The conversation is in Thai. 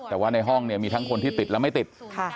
แต่ว่าในห้องเนี่ยมีทั้งคนที่ติดและไม่ติด